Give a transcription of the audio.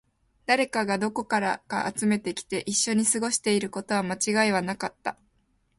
誰かがどこからか集めてきて、一緒に過ごしていることに間違いはなかった